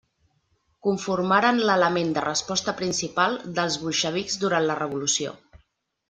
Conformaren l'element de resposta principal dels bolxevics durant la Revolució.